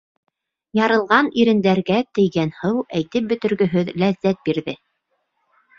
Ярылған ирендәргә тейгән һыу әйтеп бөтөргөһөҙ ләззәт бирҙе.